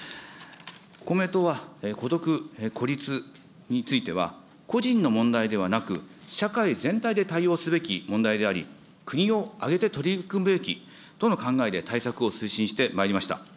公明党は孤独・孤立については個人の問題ではなく、社会全体で対応すべき問題であり、国を挙げて取り組むべきとの考えで対策を推進してまいりました。